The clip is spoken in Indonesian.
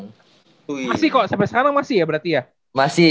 masih kok sampai sekarang masih ya berarti ya